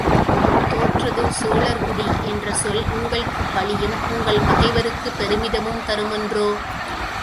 தோற்றது சோழர் குடி என்ற சொல் உங்கட்குப் பழியும், உங்கள் பகைவர்க்குப் பெருமிதமும் தருமன்றோ?